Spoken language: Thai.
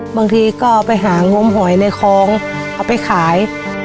บางทีก็ไปหางมหอยในคลองเอาไปขาย